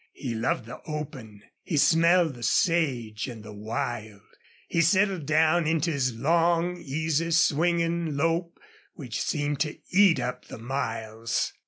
He loved the open. He smelled the sage and the wild. He settled down into his long, easy, swinging lope which seemed to eat up the miles.